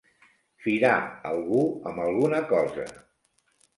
Firar algú amb alguna cosa.